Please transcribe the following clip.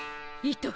いと。